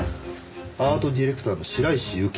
アートディレクターの白石由紀。